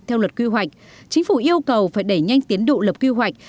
theo luật quy hoạch chính phủ yêu cầu phải đẩy nhanh tiến độ lập quy hoạch